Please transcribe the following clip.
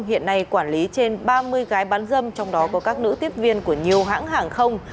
hiện nay quản lý trên ba mươi gái bán dâm trong đó có các nữ tiếp viên của nhiều hãng hàng không